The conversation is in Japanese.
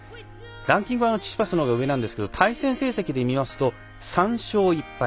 ランキングはチチパスのほうが上なんですけれども対戦成績で見ますと３勝１敗。